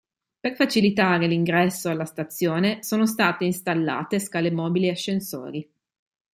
Per facilitare l'ingresso alla stazione sono state installate scale mobili e ascensori.